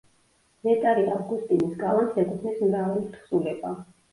ნეტარი ავგუსტინეს კალამს ეკუთვნის მრავალი თხზულება.